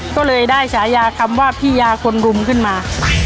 ก็เลยได้ฉายาคำว่าพี่ยาคนรุมขึ้นมา